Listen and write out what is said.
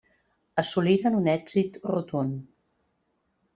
Assoliren un èxit rotund.